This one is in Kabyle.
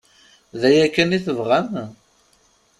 D aya kan i tebɣam?